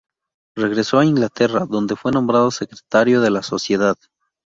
Regresó a Inglaterra, donde fue nombrado secretario de la Sociedad.